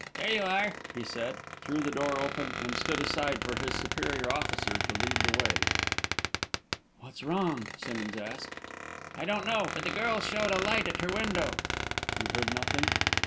"There you are," he said, threw the door open, and stood aside for his superior officer to lead the way. "What's wrong?" Simmonds asked. "I don't know but the girl showed a light at her window." "You heard nothing?"